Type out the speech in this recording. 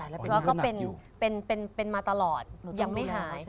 แล้วก็เป็นมาตลอดยังไม่หาย